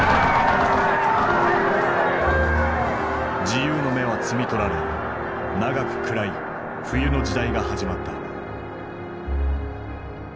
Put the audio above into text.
自由の芽は摘み取られ長く暗い冬の時代が始まった。